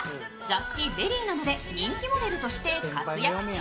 雑誌「ＶＥＲＹ」なとで人気モデルとして活躍中。